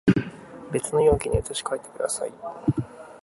別の容器に移し替えてください